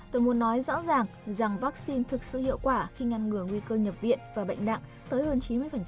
tôi muốn nói rõ ràng rằng vaccine thực sự hiệu quả khi ngăn ngừa nguy cơ nhập viện và bệnh nặng tới hơn chín mươi